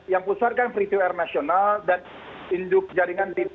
yang pusat kan free to air nasional dan induk jaringan tv